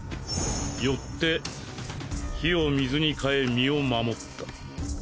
よって火を水に変え身を守った。